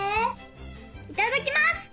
いただきます！